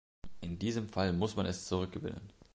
In diesem Fall muss man es zurückgewinnen.